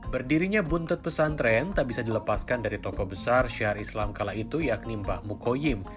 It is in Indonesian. berdirinya buntut pesantren tak bisa dilepaskan dari tokoh besar syiar islam kala itu yakni mbah mukoyim